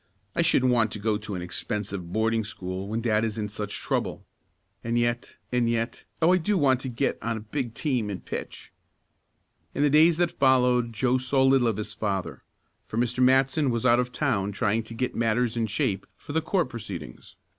"I shouldn't want to go to an expensive boarding school when dad is in such trouble. And yet and yet Oh! I do want to get on a big team and pitch!" In the days that followed Joe saw little of his father, for Mr. Matson was out of town trying to get matters in shape for the court proceedings.